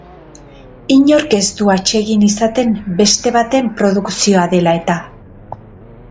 Inork ez du atsegin izaten beste baten produkzioa dela eta.